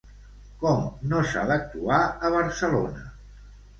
Com no s'ha d'actuar a Barcelona?